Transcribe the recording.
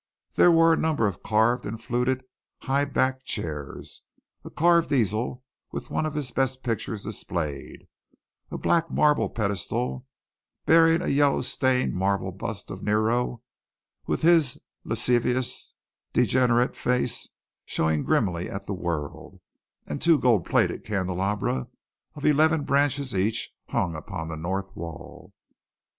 There were a number of carved and fluted high back chairs, a carved easel with one of his best pictures displayed, a black marble pedestal bearing a yellow stained marble bust of Nero, with his lascivious, degenerate face, scowling grimly at the world, and two gold plated candelabra of eleven branches each hung upon the north wall.